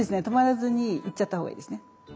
止まらずに行っちゃった方がいいですね。